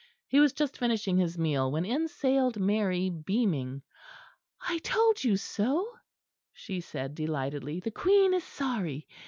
He was just finishing his meal when in sailed Mary, beaming. "I told you so," she said delightedly, "the Queen is sorry.